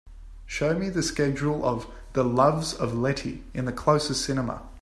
show me the schedule of The Loves of Letty in the closest cinema